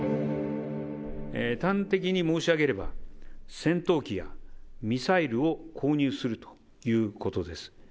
端的に申し上げれば、戦闘機やミサイルを購入するということです。